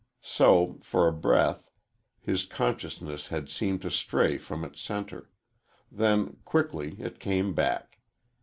So, for a breath, his consciousness had seemed to stray from its centre; then, quickly, it came back.